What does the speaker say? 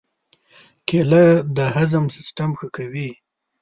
کېله د هضم سیستم ښه کوي.